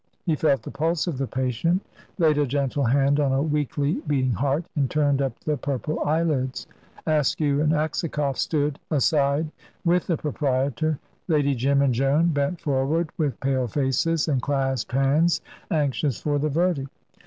He felt the pulse of the patient, laid a gentle hand on a weakly beating heart, and turned up the purple eyelids. Askew and Aksakoff stood aside with the proprietor. Lady Jim and Joan bent forward with pale faces and clasped hands, anxious for the verdict.